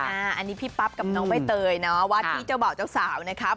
อันนี้พี่ปั๊บกับน้องใบเตยเนาะวัดที่เจ้าบ่าวเจ้าสาวนะครับ